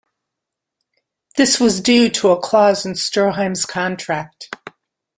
This was due to a clause in Stroheim's contract.